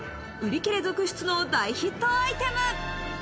売り切れ続出の大ヒットアイテム。